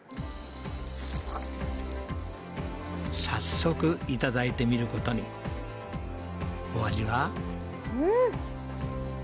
早速いただいてみることにお味は？